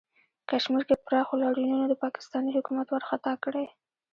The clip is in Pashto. کشمیر کې پراخو لاریونونو د پاکستانی حکومت ورخطا کړی